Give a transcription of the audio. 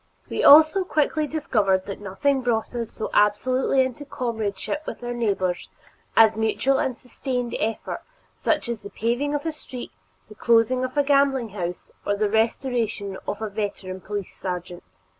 We also quickly discovered that nothing brought us so absolutely into comradeship with our neighbors as mutual and sustained effort such as the paving of a street, the closing of a gambling house, or the restoration of a veteran police sergeant.